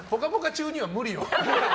中には無理よ。